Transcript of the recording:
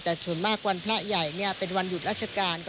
แต่ส่วนมากวันพระใหญ่เป็นวันหยุดราชการ